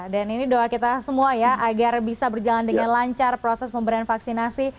dan ini doa kita semua ya agar bisa berjalan dengan lancar proses pemberian vaksinasi